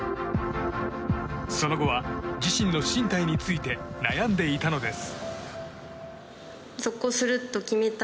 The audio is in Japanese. その後は自身の進退について悩んでいたのです。